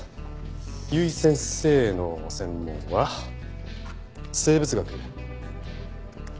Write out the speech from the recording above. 由井先生の専門は生物学。